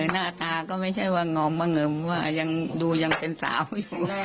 หน้าตาก็ไม่ใช่ว่างอมมะเงิมว่ายังดูยังเป็นสาวอยู่